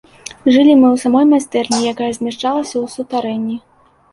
Жылі мы ў самой майстэрні, якая змяшчалася ў сутарэнні.